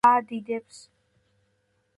აადიდებს